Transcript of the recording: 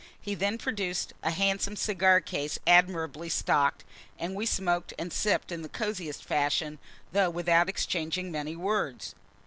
He then produced a handsome cigar case admirably stocked, and we smoked and sipped in the cosiest fashion, though without exchanging many words.